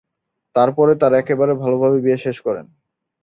তার পরে তারা একেবারে ভাল ভাবে বিয়ে শেষ করেন।